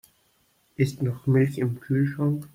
Ist noch Milch im Kühlschrank?